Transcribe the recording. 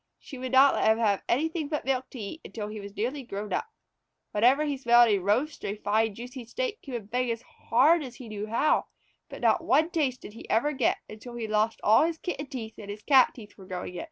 She would not let him have anything but milk to eat until he was nearly grown up. Whenever he smelled a roast or a fine juicy steak he would beg as hard as he knew how, but not one taste did he ever get until he had lost all his Kitten teeth and his Cat teeth were growing in.